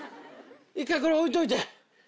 一回これは置いといて。